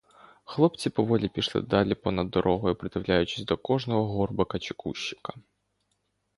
Хлопці поволі пішли далі понад дорогою, придивляючись до кожного горбика чи кущика.